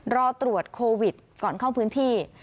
รอตรวจโควิดก่อนเข้าพื้นที่